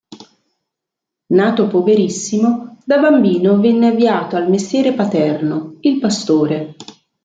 Nato poverissimo, da bambino venne avviato al mestiere paterno, il pastore.